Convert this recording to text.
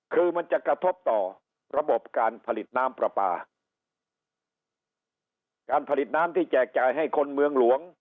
คือมันจะกระทบต่อระบบการผลิตน้ำปลาปลาการผลิตน้ำที่แจกจ่ายให้คนเมืองหลวง